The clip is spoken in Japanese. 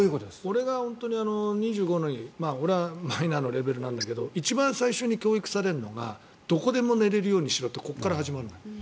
俺が２５の時俺はマイナーのレベルなんだけど一番最初に教育されるのがどこでも寝れるようにしろってここから始まるのよ。